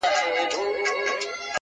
څو مېرمني او نوکر راوړل ډانګونه.!